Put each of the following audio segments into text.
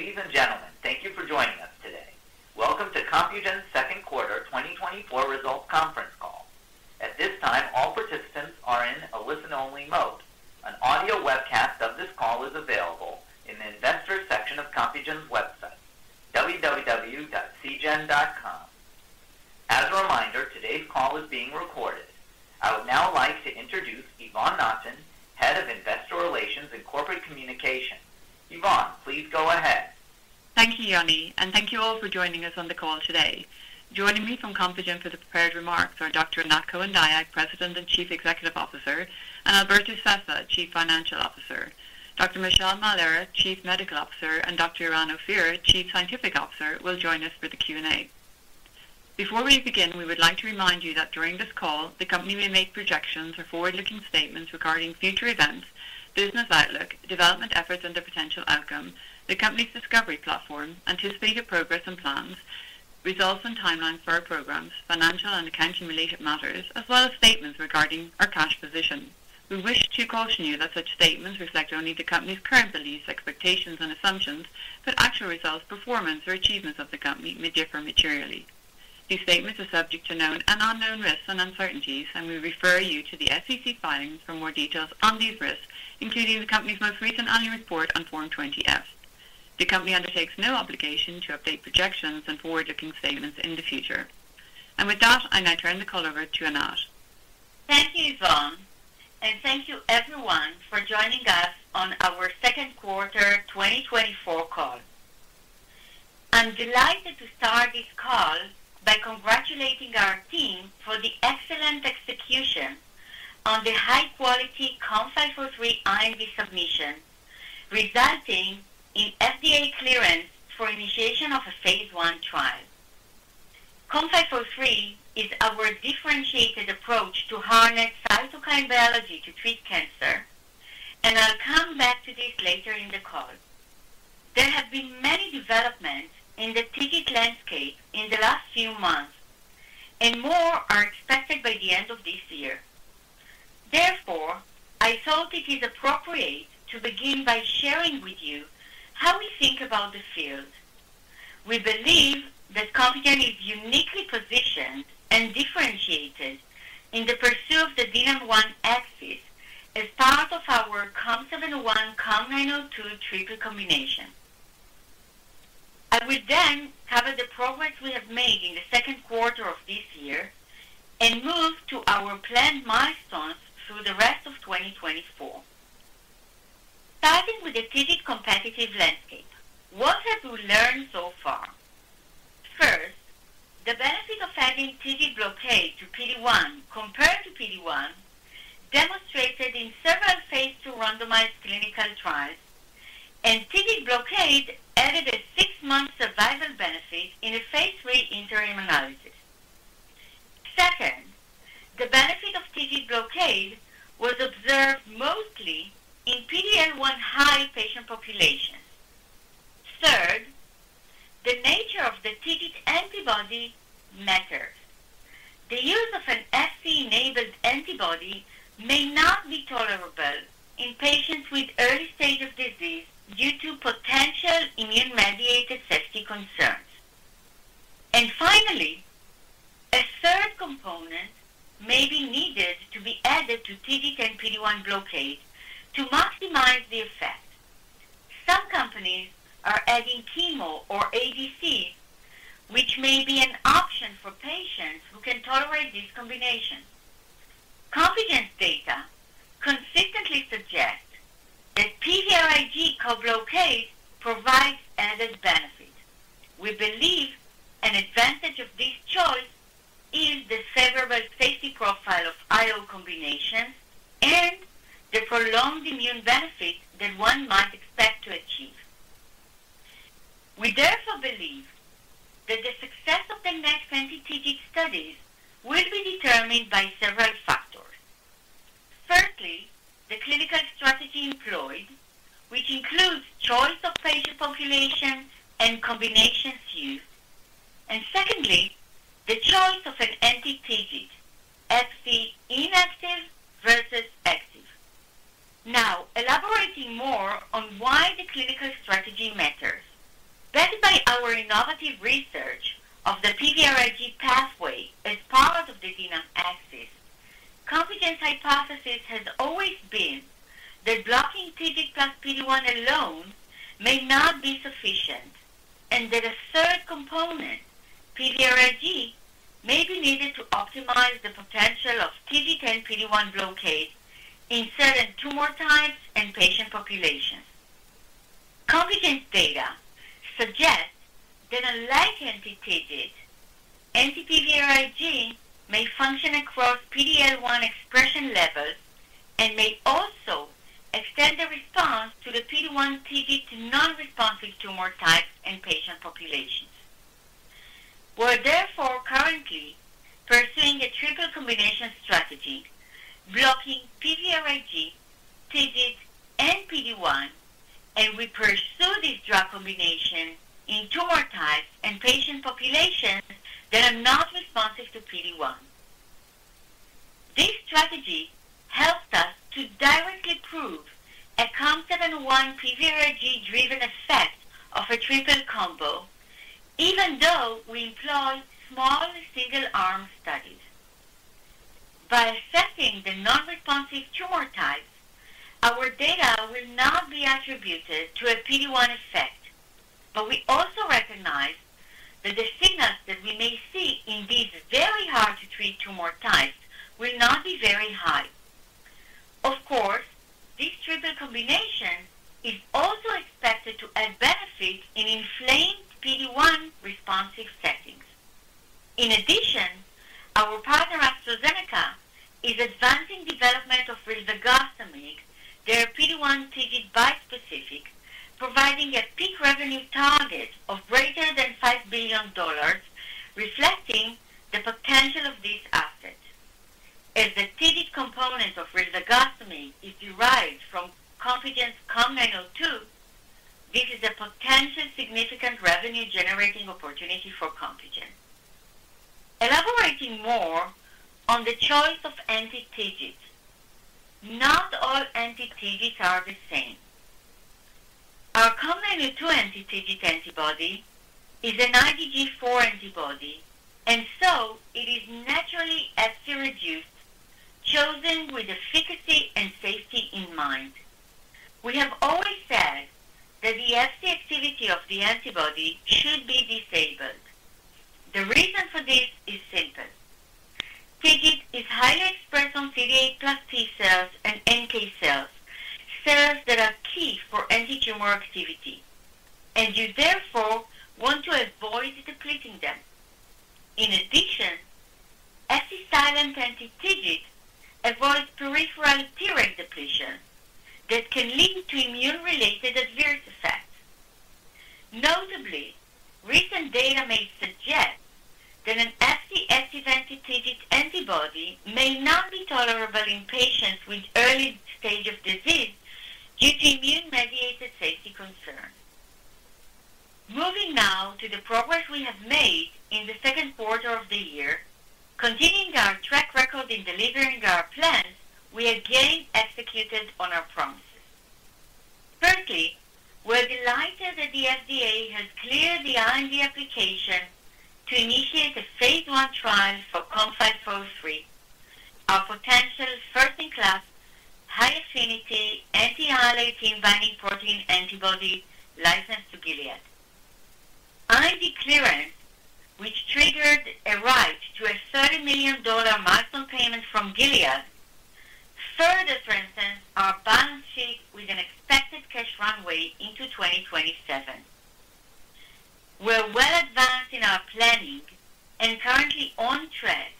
Ladies and gentlemen, thank you for joining us today. Welcome to Compugen's second quarter 2024 results conference call. At this time, all participants are in a listen-only mode. An audio webcast of this call is available in the Investors section of Compugen's website, www.cgen.com. As a reminder, today's call is being recorded. I would now like to introduce Yvonne Naughton, Head of Investor Relations and Corporate Communications. Yvonne, please go ahead. Thank you, Johnny, and thank you all for joining us on the call today. Joining me from Compugen for the prepared remarks are Dr. Anat Cohen-Dayag, President and Chief Executive Officer, and Alberto Sessa, Chief Financial Officer. Dr. Michelle Mahler, Chief Medical Officer, and Dr. Eran Ophir, Chief Scientific Officer, will join us for the Q&A. Before we begin, we would like to remind you that during this call, the company may make projections or forward-looking statements regarding future events, business outlook, development efforts, and their potential outcome, the company's discovery platform, anticipated progress and plans, results and timelines for our programs, financial and accounting-related matters, as well as statements regarding our cash position. We wish to caution you that such statements reflect only the company's current beliefs, expectations, and assumptions, but actual results, performance, or achievements of the company may differ materially. These statements are subject to known and unknown risks and uncertainties, and we refer you to the SEC filings for more details on these risks, including the company's most recent annual report on Form 20-F. The company undertakes no obligation to update projections and forward-looking statements in the future. With that, I now turn the call over to Anat. Thank you, Yvonne, and thank you everyone for joining us on our second quarter 2024 call. I'm delighted to start this call by congratulating our team for the excellent execution on the high-quality COM503 IND submission, resulting in FDA clearance for initiation of a phase I trial. COM503 is our differentiated approach to harness cytokine biology to treat cancer, and I'll come back to this later in the call. There have been many developments in the TIGIT landscape in the last few months, and more are expected by the end of this year. Therefore, I thought it is appropriate to begin by sharing with you how we think about the field. We believe that Compugen is uniquely positioned and differentiated in the pursuit of the DNAM-1 axis as part of our COM701/COM902 triple combination. I will then cover the progress we have made in the second quarter of this year and move to our planned milestones through the rest of 2024. Starting with the TIGIT competitive landscape, what have we learned so far? First, the benefit of adding TIGIT blockade to PD-1 compared to PD-1, demonstrated in several phase II randomized clinical trials, and TIGIT blockade added a 6-month survival benefit in a phase III interim analysis. Second, the benefit of TIGIT blockade was observed mostly in PD-L1 high patient populations. Third, the nature of the TIGIT antibody matters. The use of an Fc-enabled antibody may not be tolerable in patients with early stage of disease due to potential immune-mediated safety concerns. And finally, a third component may be needed to be added to TIGIT and PD-1 blockade to maximize the effect. Some companies are adding chemo or ADC, which may be an option for patients who can tolerate this combination. Compugen's data consistently suggest that PVRIG co-blockade provides added benefit. We believe an advantage of this choice is the favorable safety profile of IO combinations and the prolonged immune benefit that one might expect to achieve. We therefore believe that the success of the next anti-TIGIT studies will be determined by several factors. Thirdly, the clinical strategy employed, which includes choice of patient populations and combinations used, and secondly, the choice of an anti-TIGIT, Fc inactive versus active. Now, elaborating more on why the clinical strategy matters. Backed by our innovative research of the PVRIG pathway as part of the DNAM axis, Compugen's hypothesis has always been that blocking TIGIT plus PD-1 alone may not be sufficient, and that a third component, PVRIG, may be needed to optimize the potential of TIGIT and PD-1 blockade in certain tumor types and patient populations. Compugen's data suggests that unlike anti-TIGIT, anti-PVRIG may function across PD-L1 expression levels and may also extend the response to the PD-1 TIGIT non-responsive tumor types and patient populations. We're therefore currently pursuing a triple combination strategy, blocking PVRIG, TIGIT, and PD-1, and we pursue this drug combination in tumor types and patient populations that are not responsive to PD-1. This strategy helped us to directly prove a COM701 PVRIG-driven effect of a triple combo, even though we employed small single-arm studies. By assessing the non-responsive tumor types, our data will not be attributed to a PD-1 effect. We also recognize that the signals that we may see in these very hard-to-treat tumor types will not be very high. Of course, this triple combination is also expected to add benefit in inflamed PD-1 responsive settings. In addition, our partner, AstraZeneca, is advancing development of rilzagatamig, their PD-1 TIGIT bispecific, providing a peak revenue target of greater than $5 billion, reflecting the potential of this asset. As the TIGIT component of rilzagatamig is derived from Compugen's COM902, this is a potential significant revenue-generating opportunity for Compugen. Elaborating more on the choice of anti-TIGIT. Not all anti-TIGIT are the same. Our COM902 anti-TIGIT antibody is an IgG4 antibody, and so it is naturally Fc reduced, chosen with efficacy and safety in mind. We have always said that the Fc activity of the antibody should be disabled. The reason for this is simple: TIGIT is highly expressed on CD8+ T-cells and NK cells, cells that are key for antitumor activity, and you therefore want to avoid depleting them. In addition, Fc silent anti-TIGIT avoids peripheral T-reg depletion that can lead to immune-related adverse effects. Notably, recent data may suggest that an Fc active anti-TIGIT antibody may not be tolerable in patients with early stage of disease due to immune-mediated safety concern. Moving now to the progress we have made in the second quarter of the year. Continuing our track record in delivering our plans, we again executed on our promises. Firstly, we're delighted that the FDA has cleared the IND application to initiate a phase I trial for COM503, our potential first-in-class, high-affinity, anti-IL-18 binding protein antibody licensed to Gilead. IND clearance, which triggered a right to a $30 million milestone payment from Gilead, further strengthens our balance sheet with an expected cash runway into 2027. We're well advanced in our planning and currently on track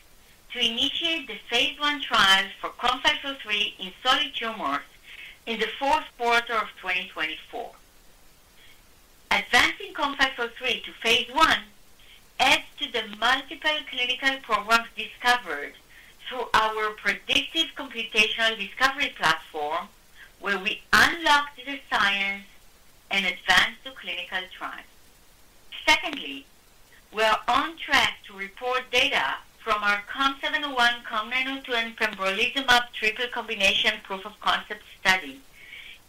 to initiate the phase I trials for COM503 in solid tumors in the fourth quarter of 2024. Advancing COM503 to phase I adds to the multiple clinical programs discovered through our predictive computational discovery platform, where we unlocked the science and advanced to clinical trials. Secondly, we are on track to report data from our COM701, COM902, and pembrolizumab triple combination proof of concept study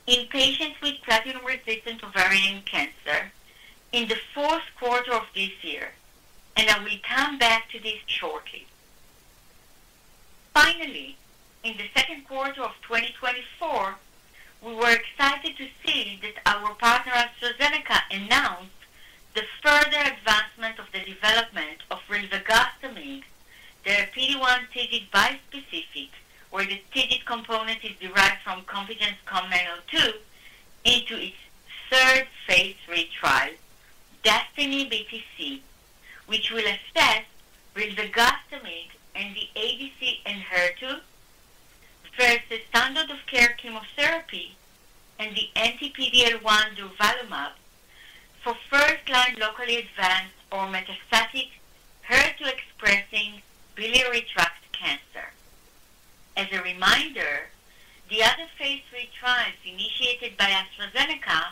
in patients with platinum-resistant ovarian cancer in the fourth quarter of this year, and I will come back to this shortly. Finally, in the second quarter of 2024, we were excited to see that our partner, AstraZeneca, announced the further advancement of the development of rilzagatamig, their PD-1 TIGIT bispecific, where the TIGIT component is derived from Compugen's COM902, into its third phase III trial, DESTINY-BTC, which will assess rilzagatamig and the ADC Enhertu versus standard of care chemotherapy and the anti-PD-L1 durvalumab for first-line locally advanced or metastatic HER2-expressing biliary tract cancer. As a reminder, the other phase III trials initiated by AstraZeneca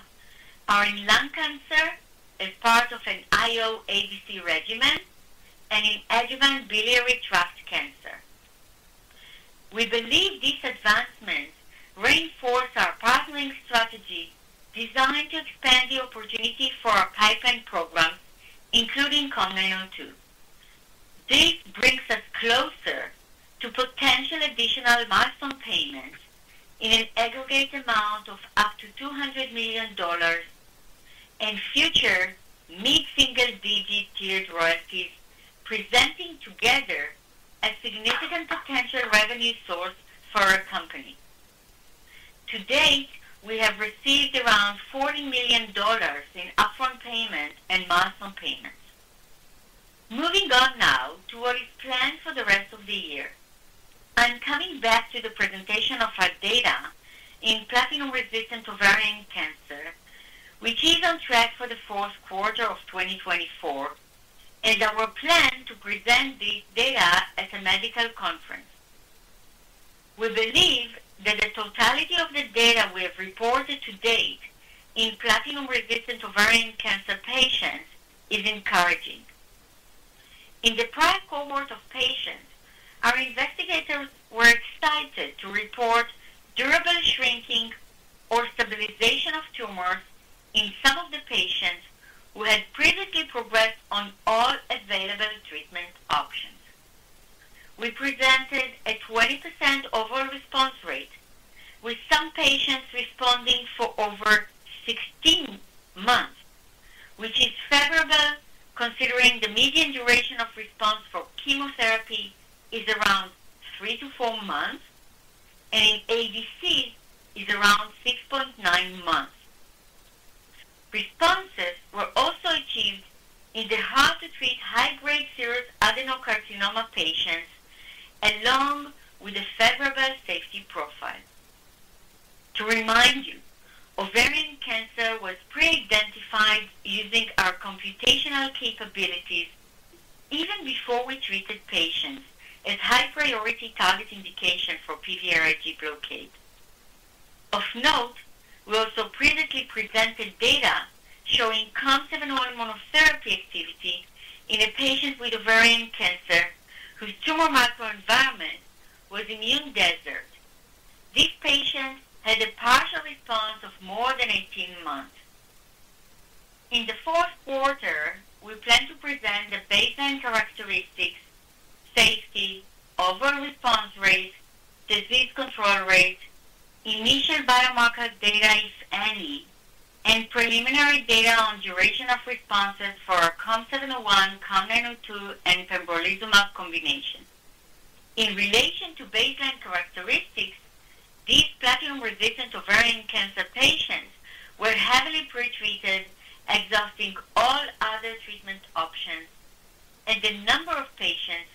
are in lung cancer as part of an IO ADC regimen and in adjuvant biliary tract cancer. We believe these advancements reinforce our partnering strategy designed to expand the opportunity for our pipeline program, including COM902. This brings us closer to potential additional milestone payments in an aggregate amount of up to $200 million and future mid-single digit tiered royalties, presenting together a significant potential revenue source for our company. To date, we have received around $40 million in upfront payment and milestone payments. Moving on now to what is planned for the rest of the year. I'm coming back to the presentation of our data in platinum-resistant ovarian cancer, which is on track for the fourth quarter of 2024, and our plan to present this data at a medical conference. We believe that the totality of the data we have reported to date in platinum-resistant ovarian cancer patients is encouraging. In the prior cohort of patients, our investigators were excited to report durable shrinking or stabilization of tumors in some of the patients who had previously progressed on all available treatment options. We presented a 20% overall response rate, with some patients responding for over 16 months, which is favorable, considering the median duration of response for chemotherapy is around 3-4 months, and ADC is around 6.9 months. Responses were also achieved in the hard-to-treat high-grade serous adenocarcinoma patients, along with a favorable safety profile. To remind you, ovarian cancer was pre-identified using our computational capabilities even before we treated patients as high-priority target indication for PVRIG blockade. Of note, we also previously presented data showing COM701 monotherapy activity in a patient with ovarian cancer, whose tumor microenvironment was immune desert. This patient had a partial response of more than 18 months. In the fourth quarter, we plan to present the baseline characteristics, safety, overall response rate, disease control rate, initial biomarker data, if any, and preliminary data on duration of responses for our COM701, COM902, and pembrolizumab combination. In relation to baseline characteristics, these platinum-resistant ovarian cancer patients were heavily pretreated, exhausting all other treatment options, and the number of patients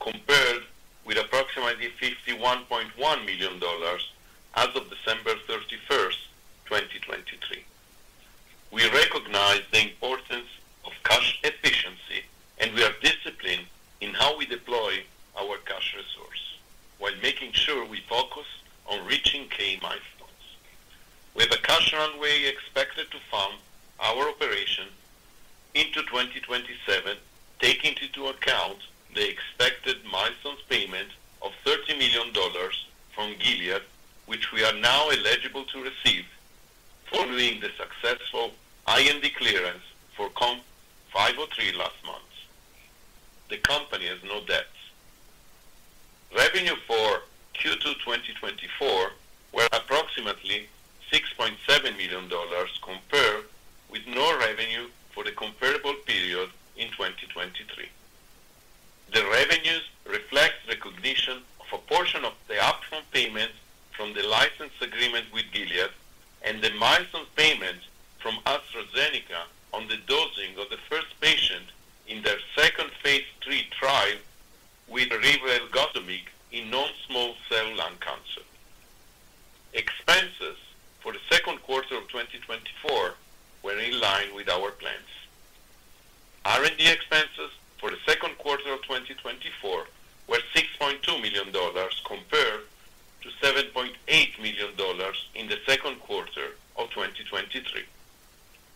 compared with approximately $51.1 million as of December 31st, 2023. We recognize the importance of cash efficiency, and we are disciplined in how we deploy our cash resource while making sure we focus on reaching key milestones. With the cash runway, expected to fund our operation into 2027, taking into account the expected milestone payment of $30 million from Gilead, which we are now eligible to receive following the successful IND clearance for COM503 last month. The company has no debt. Revenue for Q2 2024 were approximately $6.7 million, compared with no revenue for the comparable period in 2023. The revenues reflect recognition of a portion of the upfront payment from the license agreement with Gilead and the milestone payment from AstraZeneca on the dosing of the first patient in their second phase III trial with rilzagatamig in non-small cell lung cancer. Expenses for the second quarter of 2024 were in line with our plans. R&D expenses for the second quarter of 2024 were $6.2 million, compared to $7.8 million in the second quarter of 2023.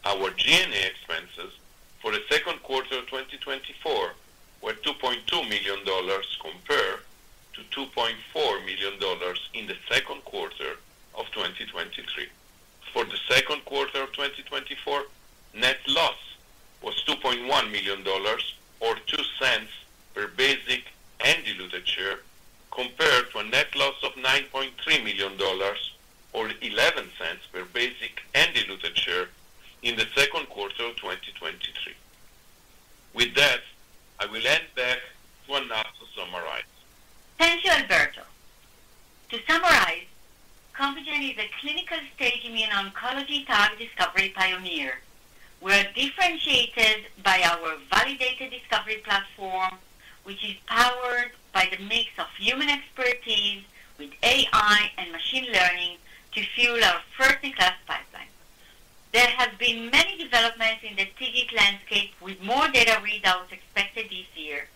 Our G&A expenses for the second quarter of 2024 were $2.2 million, compared to $2.4 million in the second quarter of 2023. For the second quarter of 2024, net loss was $2.1 million, or $0.02 per basic and diluted share... compared to a net loss of $9.3 million, or $0.11 per basic and diluted share in the second quarter of 2023. With that, I will hand back to Anat to summarize. Thank you, Alberto. To summarize, Compugen is a clinical-stage immune oncology target discovery pioneer. We're differentiated by our validated discovery platform, which is powered by the mix of human expertise with AI and machine learning to fuel our first-in-class pipeline. There have been many developments in the TIGIT landscape, with more data readouts expected this year,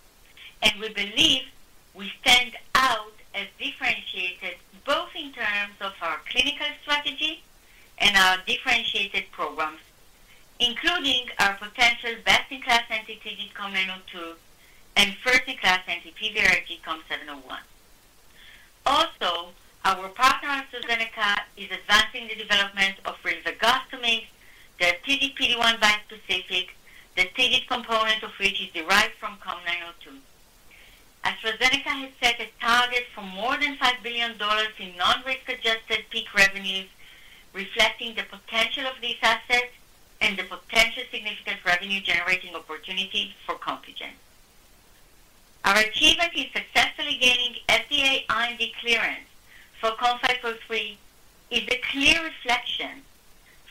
and we believe we stand out as differentiated, both in terms of our clinical strategy and our differentiated programs, including our potential best-in-class anti-TIGIT COM902 and first-in-class anti-PVRIG COM701. Also, our partner, AstraZeneca, is advancing the development of rilzagatamig, their TIGIT PD-1 bispecific, the TIGIT component of which is derived from COM902. AstraZeneca has set a target for more than $5 billion in non-risk adjusted peak revenues, reflecting the potential of this asset and the potential significant revenue-generating opportunities for Compugen. Our achievement in successfully gaining FDA IND clearance for COM503 is a clear reflection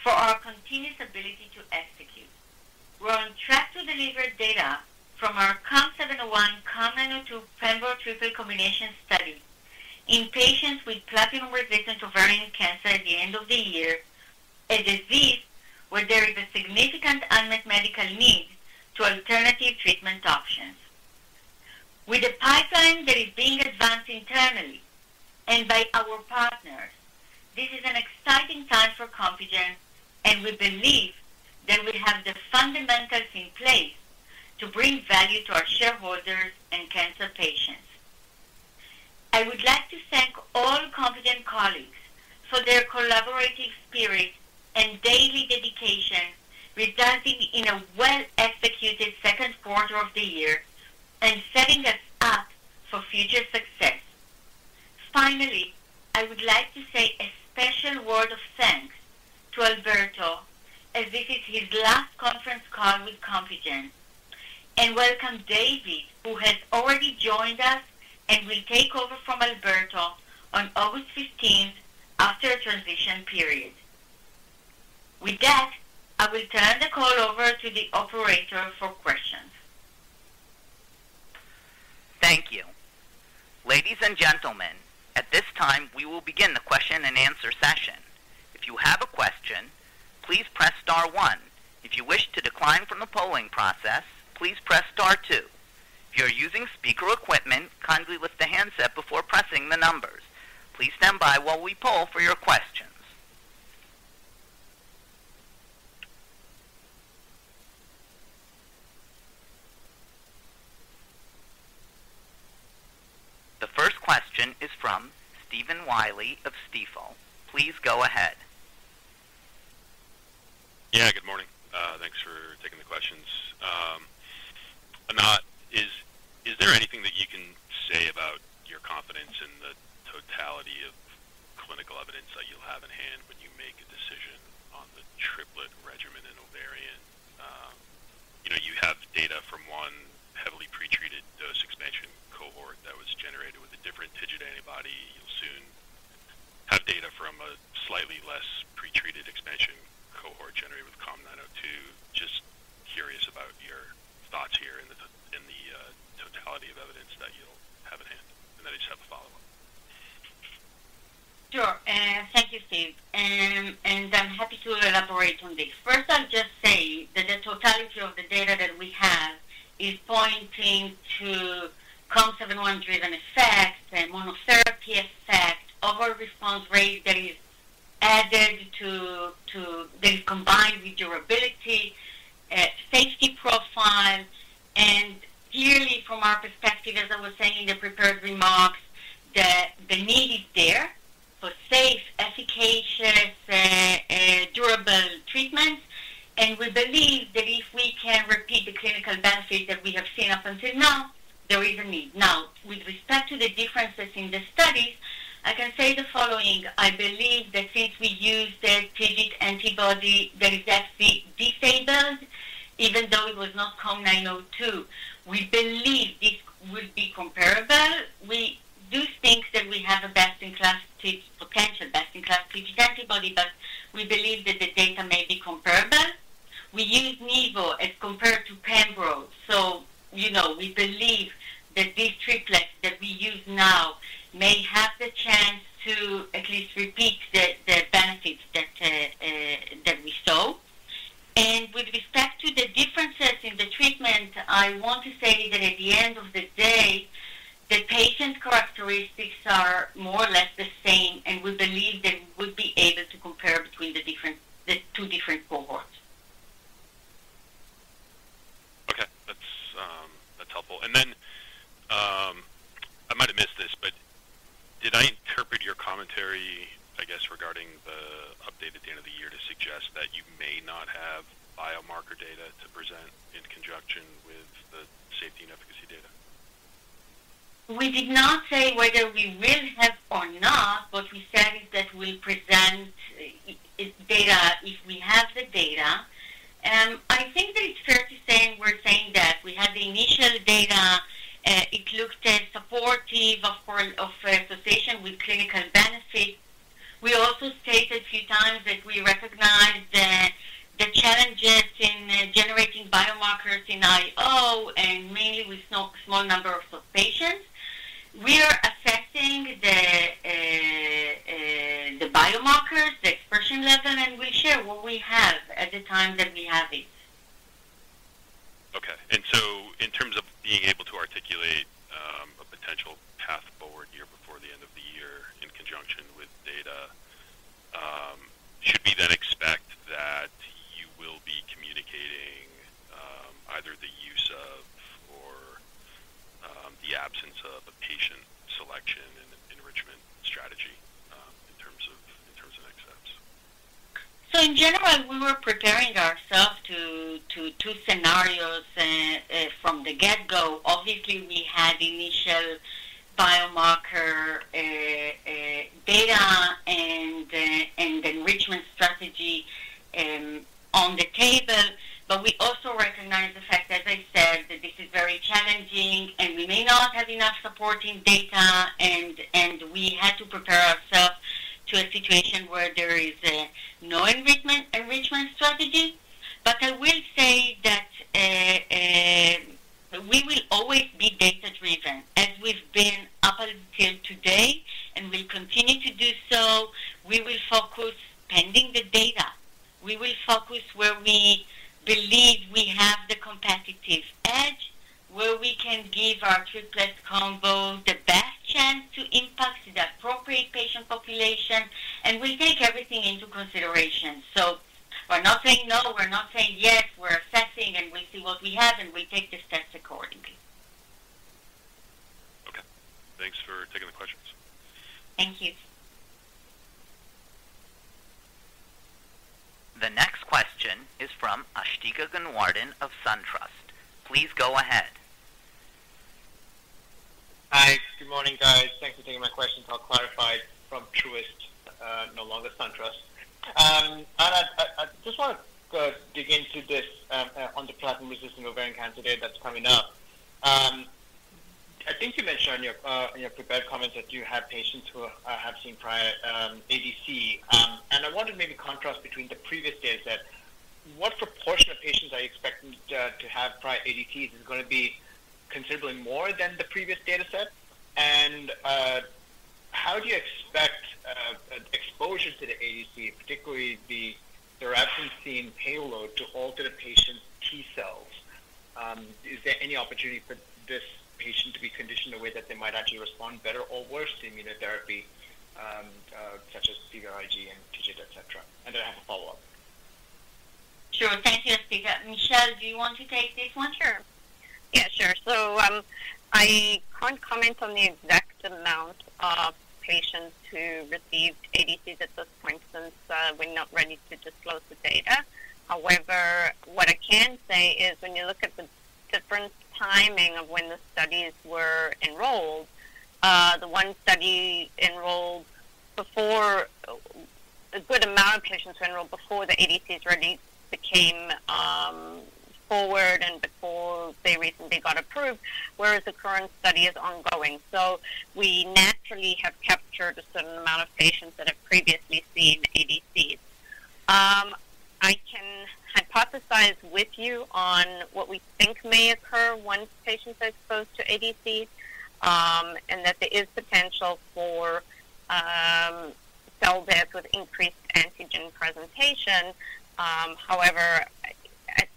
for our continuous ability to execute. We're on track to deliver data from our COM701, COM902 Pembro triple combination study in patients with platinum-resistant ovarian cancer at the end of the year, a disease where there is a significant unmet medical need to alternative treatment options. With a pipeline that is being advanced internally and by our partners, this is an exciting time for Compugen, and we believe that we have the fundamentals in place to bring value to our shareholders and cancer patients. I would like to thank all Compugen colleagues for their collaborative spirit and daily dedication, resulting in a well-executed second quarter of the year and setting us up for future success. Finally, I would like to say a special word of thanks to Alberto, as this is his last conference call with Compugen, and welcome, David, who has already joined us and will take over from Alberto on August fifteenth after a transition period. With that, I will turn the call over to the operator for questions. Thank you. Ladies and gentlemen, at this time, we will begin the question-and-answer session. If you have a question, please press star one. If you wish to decline from the polling process, please press star two. If you are using speaker equipment, kindly lift the handset before pressing the numbers. Please stand by while we poll for your questions. The first question is from Stephen Willey of Stifel. Please go ahead. Yeah, good morning. Thanks for taking the questions. Anat, is, is there anything that you can say about your confidence in the totality of clinical evidence that you'll have in hand when you make a decision on the triplet regimen in ovarian? You know, you have data from one heavily pretreated dose expansion cohort that was generated the day, the patient characteristics are more or less the same, and we believe that we'll be able to compare between the different, the two different cohorts. Okay. That's helpful. And then, I might have missed this, but did I interpret your commentary, I guess, regarding the update at the end of the year, to suggest that you may not have biomarker data to present in conjunction with the safety and efficacy data? We did not say whether we will have or not. What we said is that we'll present data if we have the data. I think that it's fair to say we're saying that we have the initial data. It looked as supportive, of course, of association with clinical benefit. We also stated a few times that we recognize the challenges in generating biomarkers in IO and mainly Sure. Yeah, sure. So, I can't comment on the exact amount of patients who received ADCs at this point, since we're not ready to disclose the data. However, what I can say is when you look at the different timing of when the studies were enrolled, the one study enrolled before a good amount of patients were enrolled before the ADCs really became forward and before they recently got approved, whereas the current study is ongoing. So we naturally have captured a certain amount of patients that have previously seen ADCs. I can hypothesize with you on what we think may occur once patients are exposed to ADCs, and that there is potential for cell death with increased antigen presentation. However,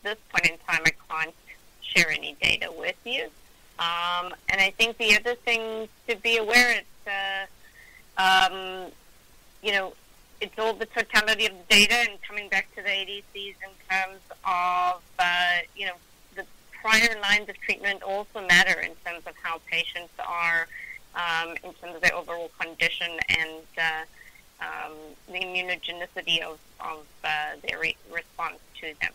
at this point in time, I can't share any data with you. And I think the other thing to be aware is, you know, it's all the totality of the data and coming back to the ADCs in terms of, you know, the prior lines of treatment also matter in terms of how patients are, in terms of their overall condition and, the immunogenicity of their response to them.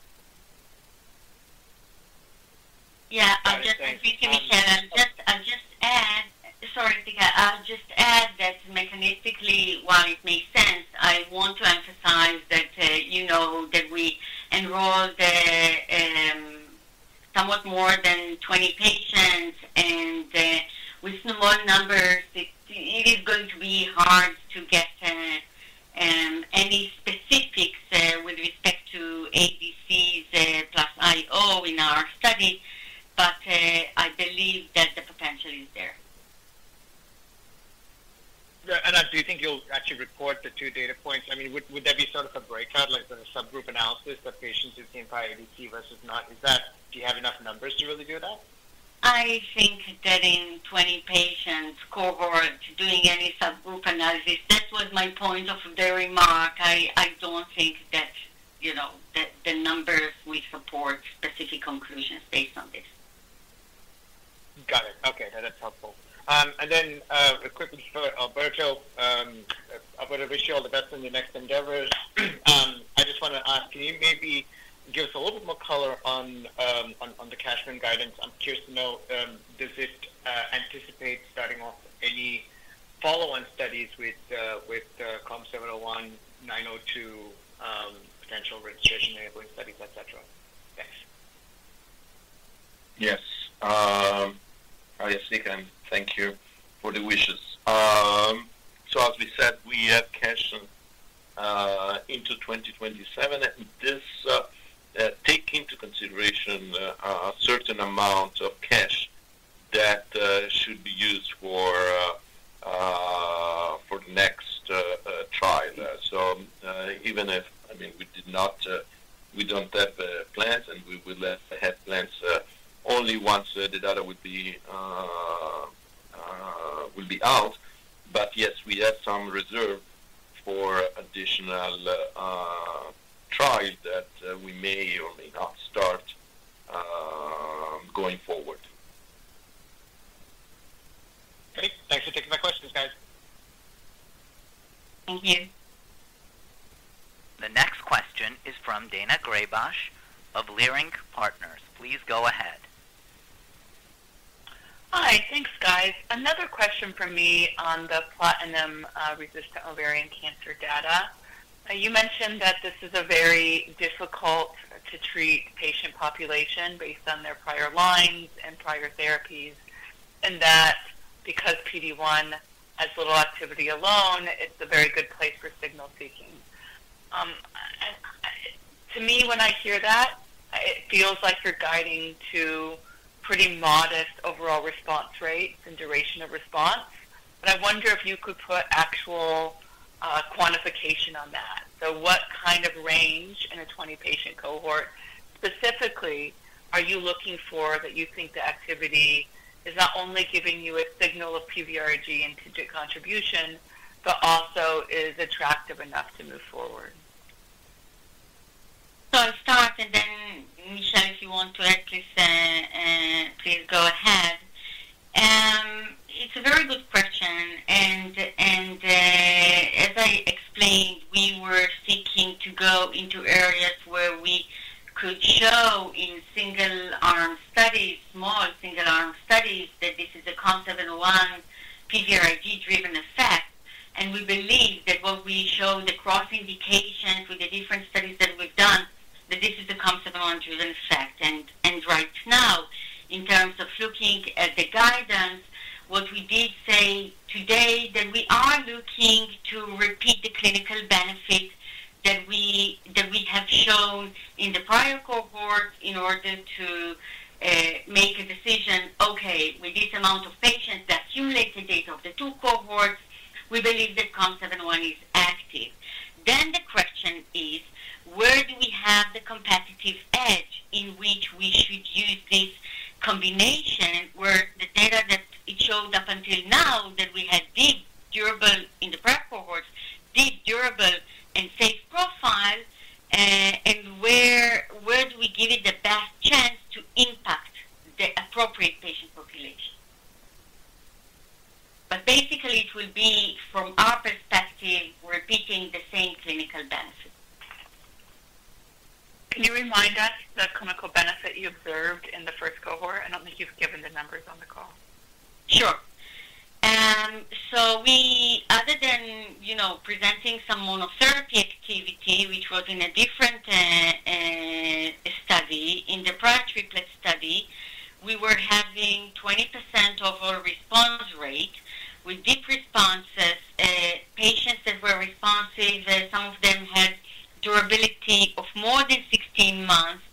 Yeah, I'll just repeat you, Michelle. I'll just add... Sorry, I'll just add that mechanistically, while it makes sense, I want to emphasize that, you know, that we enroll the somewhat more than 20 patients, and with small numbers, it is going to be hard to get any specifics with respect to ADCs, plus IO in our study, but I believe that the potential is there. Yeah. And, do you think you'll actually report the two data points? I mean, would that be sort of a breakout, like a subgroup analysis of patients who've seen prior ADC versus not? Is that? Do you have enough numbers to really do that? I think that in 20 patients cohort, doing any subgroup analysis, that was my point of the remark. I, I don't think that, you know, that the numbers we support specific conclusions based on this. ... Got it. Okay, that's helpful. Then, quickly for Alberto. Alberto, wish you all the best in your next endeavors. I just want to ask, can you maybe give us a little bit more color on the cash management guidance? I'm curious to know, does it anticipate starting off any follow-on studies with COM701, COM902, potential registration-enabling studies, et cetera? Thanks. Yes, yes, Asthika, and thank you for the wishes. So as we said, we have cash into 2027, and this take into consideration a certain amount of cash that should be used for the next trial. So even if, I mean, we don't have plans, and we will have plans only once the data will be out. But yes, we have some reserve for additional trials that we may or may not start going forward. Great. Thanks for taking my questions, guys. Thank you. The next question is from Daina Graybosch of Leerink Partners. Please go ahead. Hi. Thanks, guys. Another question from me on the platinum resistant ovarian cancer data. You mentioned that this is a very difficult to treat patient population based on their prior lines and prior therapies, and that because PD-1 has little activity alone, it's a very good place for signal seeking. And to me, when I hear that, it feels like you're guiding to pretty modest overall response rates and duration of response. But I wonder if you could put actual quantification on that. So what kind of range in a 20-patient cohort, specifically, are you looking for that you think the activity is not only giving you a signal of PVRIG and contribution, but also is attractive enough to move forward? So I'll start, and then, Michelle, if you want to add, please, please go ahead. It's a very good question, and, and, as I explained, we were seeking to go into areas where we could show in single-arm studies, small single-arm studies, that this is a COM701 PVRIG-driven effect. And we believe that what we show the cross indications with the different studies that we've done, that this is a COM701-driven effect. And, and right now, in terms of looking at the guidance, what we did say today, that we are looking to repeat the clinical benefit that we, that we have shown in the prior cohort in order to, make a decision. Okay, with this amount of patients that accumulate the data of the two cohorts, we believe that COM701 is active. Then the question is, where do we have the competitive edge in which we should use this combination, where the data that it showed up until now that we had deep, durable in the prep cohorts, deep, durable and safe profile, and where, where do we give it the best chance to impact the appropriate patient population? But basically, it will be, from our perspective, repeating the same clinical benefit. Can you remind us the clinical benefit you observed in the first cohort? I don't think you've given the numbers on the call. Sure. So we other than, you know, presenting some monotherapy activity, which was in a different study, in the prior triplet study, we were having 20% of our response rate with deep responses. Patients that were responsive, some of them had durability of more than 16 months,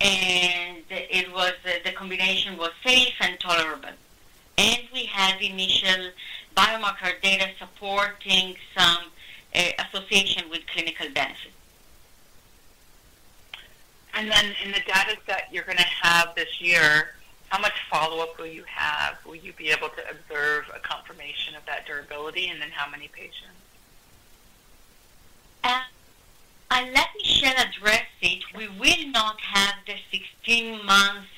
and it was, the combination was safe and tolerable. And we had initial biomarker data supporting some association with clinical benefit. In the data set you're gonna have this year, how much follow-up will you have? Will you be able to observe a confirmation of that durability? How many patients? I let Michelle address it. We will not have the 16 months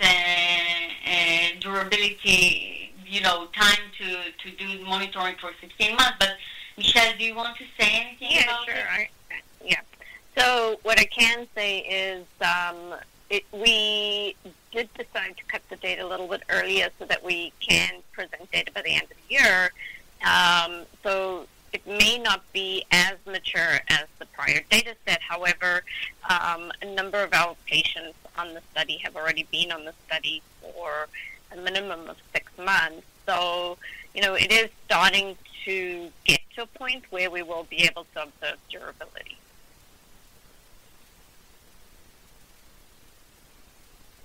durability, you know, time to do monitoring for 16 months, but Michelle, do you want to say anything about it? Yeah, sure. So what I can say is, we did decide to cut the data a little bit earlier so that we can present data by the end of the year. So it may not be as mature as the prior data set. However, a number of our patients on the study have already been on the study for a minimum of six months, so you know, it is starting to get to a point where we will be able to observe durability.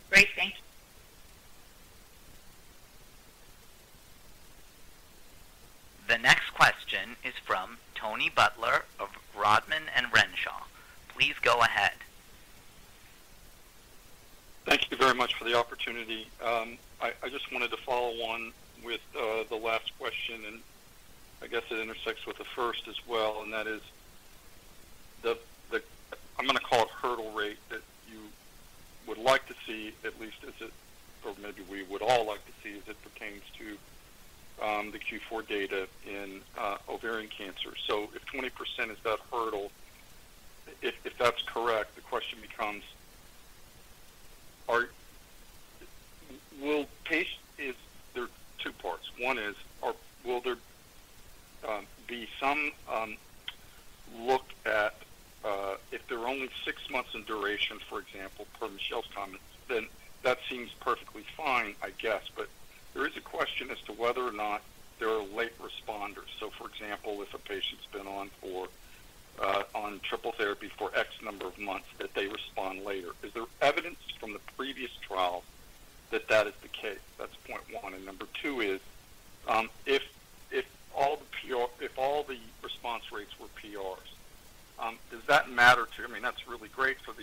Great, thank you. The next question is from Tony Butler of Rodman & Renshaw. Please go ahead. Thank you very much for the opportunity. I just wanted to follow on with the last question, and I guess it intersects with the first as well, and that is-... I'm gonna call it hurdle rate that you would like to see, at least as it, or maybe we would all like to see, as it pertains to the Q4 data in ovarian cancer. So if 20% is that hurdle, if that's correct, the question becomes, there are two parts. One is, will there be some look at if they're only six months in duration, for example, per Michelle's comments, then that seems perfectly fine, I guess. But there is a question as to whether or not there are late responders. So, for example, if a patient's been on for on triple therapy for X number of months, that they respond later. Is there evidence from the previous trial that that is the case? That's point one. Number two is, if all the response rates were PRs, does that matter to you? I mean, that's really great for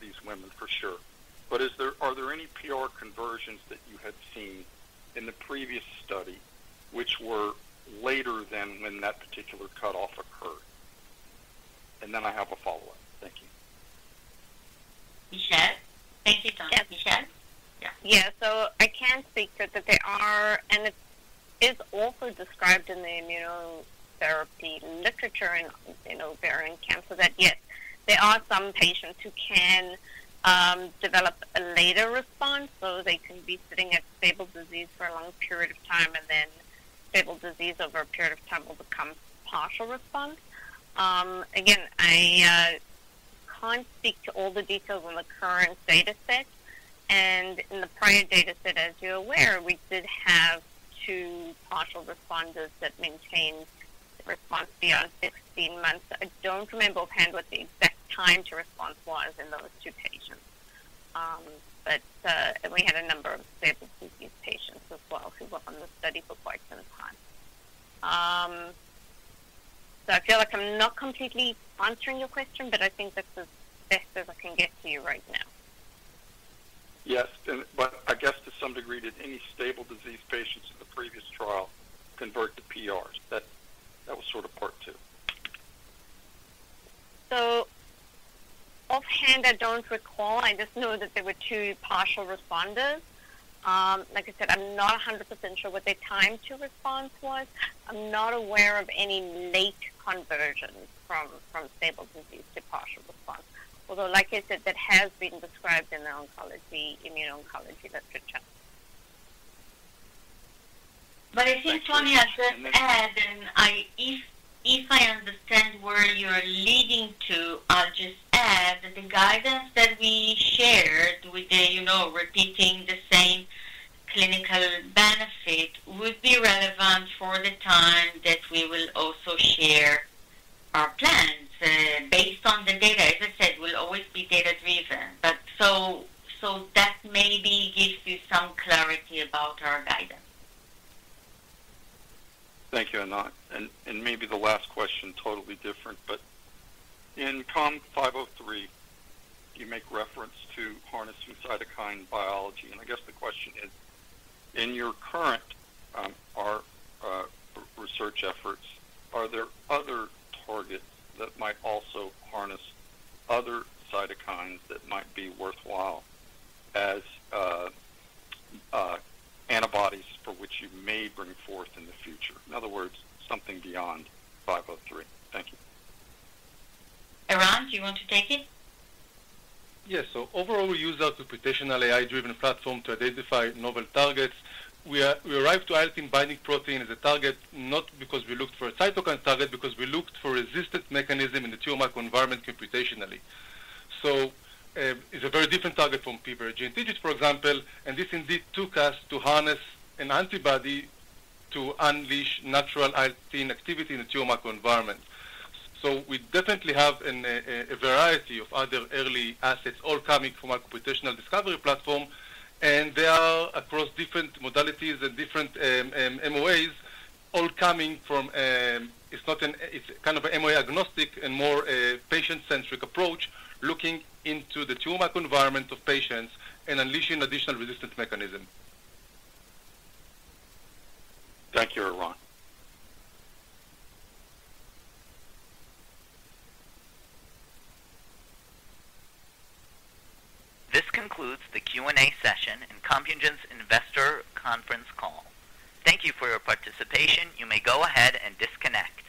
these women, for sure. But are there any PR conversions that you had seen in the previous study, which were later than when that particular cutoff occurred? And then I have a follow-up. Thank you. Michelle? Thank you, Tony. Yes. Michelle? Yeah. Yeah. So I can speak that there are and it's also described in the immunotherapy literature in ovarian cancer, that yes, there are some patients who can develop a later response. So they can be sitting at stable disease for a long period of time, and then stable disease over a period of time will become partial response. Again, I can't speak to all the details on the current dataset, and in the prior dataset, as you're aware, we did have two partial responders that maintained the response beyond 16 months. I don't remember offhand what the exact time to response was in those two patients. But, and we had a number of stable disease patients as well, who were on the study for quite some time. I feel like I'm not completely answering your question, but I think that's as best as I can get to you right now. Yes, and but I guess to some degree, did any stable disease patients in the previous trial convert to PRs? That, that was sort of part two. So offhand, I don't recall. I just know that there were two partial responders. Like I said, I'm not 100% sure what their time to response was. I'm not aware of any late conversions from stable disease to partial response, although, like I said, that has been described in the oncology, immuno-oncology literature. But I think, Tony, I'll just add, and if I understand where you're leading to, I'll just add that the guidance that we shared with the, you know, repeating the same clinical benefit would be relevant for the time that we will also share our plans, based on the data. As I said, we'll always be data-driven, but so that maybe gives you some clarity about our guidance. Thank you, Anat. And maybe the last question, totally different, but in COM503, you make reference to harnessing cytokine biology, and I guess the question is: In your current research efforts, are there other targets that might also harness other cytokines that might be worthwhile as antibodies for which you may bring forth in the future? In other words, something beyond 503. Thank you. Eran, do you want to take it? Yes. So overall, we use our computational AI-driven platform to identify novel targets. We arrived to IL-18 binding protein as a target, not because we looked for a cytokine target, because we looked for a resistance mechanism in the tumor microenvironment computationally. So, it's a very different target from PVRIG, for example, and this indeed took us to harness an antibody to unleash natural IL-18 activity in the tumor microenvironment. So we definitely have a variety of other early assets, all coming from our computational discovery platform, and they are across different modalities and different MOAs, all coming from, it's not an... It's kind of an MOA agnostic and more, patient-centric approach, looking into the tumor microenvironment of patients and unleashing additional resistance mechanism. Thank you, Eran. This concludes the Q&A session in Compugen's Investor Conference Call. Thank you for your participation. You may go ahead and disconnect.